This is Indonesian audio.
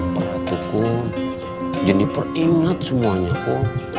nopoknya emang sama aku